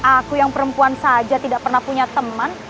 aku yang perempuan saja tidak pernah punya teman